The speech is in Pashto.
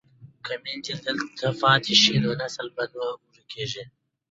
که میندې دلته پاتې شي نو نسل به نه ورکيږي.